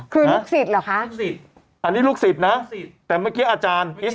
คือลูกศิษย์เหรอคะลูกศิษย์อันนี้ลูกศิษย์นะแต่เมื่อกี้อาจารย์